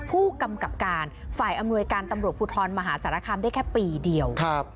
ผู้กำกับการฝ่ายอำนวยการตำรวจภูทรมหาสารคามได้แค่ปีเดียว